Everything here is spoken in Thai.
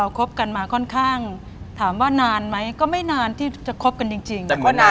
อ้าวไม่ต้องมาคืนนี่คือความสัมพันธ์ผู้หญิง